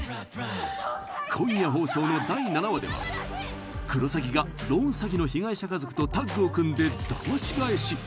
今夜放送の第７話ではクロサギがローン詐欺の被害者家族とタッグを組んでダマし返し！